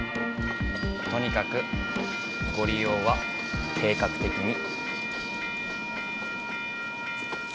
とにかくご利用は計画的に。